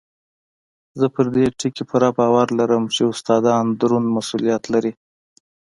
زه پر دې ټکي پوره باور لرم چې استادان دروند مسؤلیت لري.